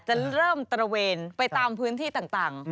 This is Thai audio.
จะเริ่มตระเวนไปตามพื้นที่ต่าง